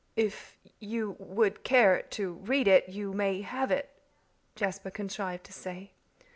"If you would care to read it you may have it," Jasper contrived to say.